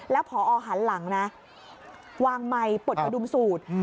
แล้วพอหันหลังนะวางไมค์ปลดกระดุมสูตร